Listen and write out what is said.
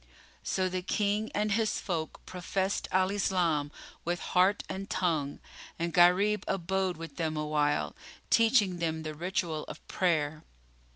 So the King and his folk professed Al Islam with heart and tongue, and Gharib abode with them awhile, teaching them the ritual of prayer.